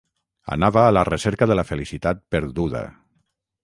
Anava a la recerca de la felicitat perduda.